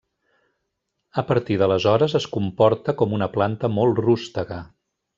A partir d'aleshores es comporta com una planta molt rústega.